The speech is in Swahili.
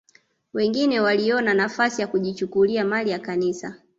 Wengine waliona nafasi ya kujichukulia mali ya Kanisa